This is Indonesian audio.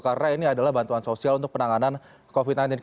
karena ini adalah bantuan sosial untuk penanganan covid sembilan belas